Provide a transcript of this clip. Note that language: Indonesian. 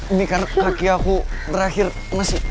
ini karena kaki aku berakhir masih